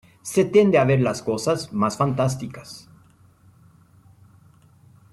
Se tiende a ver las cosas más fantásticas.